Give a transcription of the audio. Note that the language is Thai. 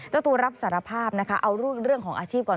เจ้าตัวรับสารภาพนะคะเอาเรื่องของอาชีพก่อน